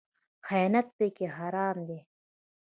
خیانت پکې حرام دی